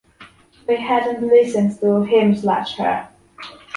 They hadn’t listened to him/her.